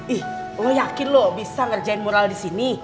ih lo yakin lo bisa ngerjain moral disini